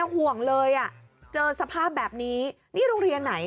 ห่วงเลยอ่ะเจอสภาพแบบนี้นี่โรงเรียนไหน